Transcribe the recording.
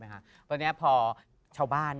พี่ยังไม่ได้เลิกแต่พี่ยังไม่ได้เลิก